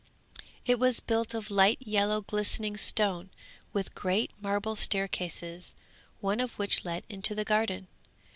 It was built of light yellow glistening stone, with great marble staircases, one of which led into the garden.